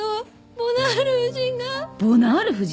ボナール夫人？